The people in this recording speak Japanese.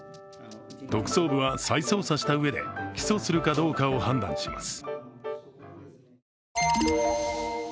特捜部は再捜査したうえで起訴するかどうかを判断します。